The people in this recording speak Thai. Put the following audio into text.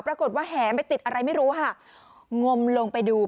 แห่ไปติดอะไรไม่รู้ค่ะงมลงไปดู